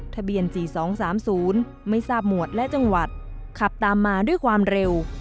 ทะเบียน๔๒๓๐ไม่ทราบหมวดและจังหวัดขับตามมาด้วยความเร็ว